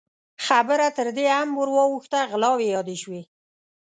خبره تر دې هم ور واوښته، غلاوې يادې شوې.